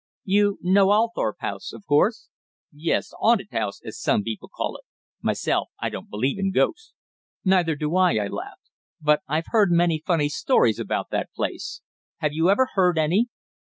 "You know Althorp House, of course?" "Yes, the 'aunted 'ouse, as some people call it. Myself, I don't believe in ghosts." "Neither do I," I laughed, "but I've heard many funny stories about that place. Have you ever heard any?"